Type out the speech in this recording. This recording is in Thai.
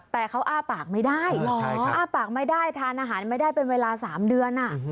แต่เขาอ้าปากไม่ได้อ้าปากไม่ได้ทานอาหารไม่ได้เป็นเวลา๓เดือน